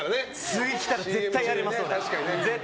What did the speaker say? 次来たら絶対にやれます。